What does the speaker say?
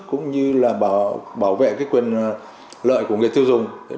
cũng như là bảo vệ cái quyền lợi của người tiêu dùng